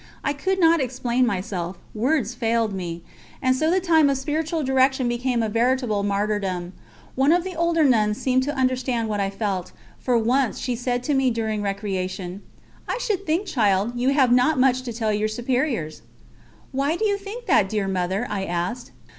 I could not explain myself, words failed me, and so the time of spiritual direction became a veritable martyrdom. One of the older nuns seemed to understand what I felt, for she once said to me during recreation: "I should think, child, you have not much to tell your superiors." "Why do you think that, dear Mother?" I asked.